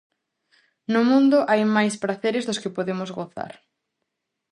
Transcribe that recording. No mundo hai máis praceres dos que podemos gozar.